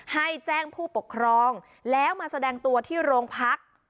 ให้แจ้งผู้ปกครองแล้วมาแสดงตัวที่โรงพัก